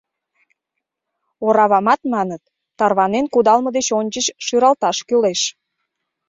Оравамат, маныт, тарванен кудалме деч ончыч шӱралташ кӱлеш.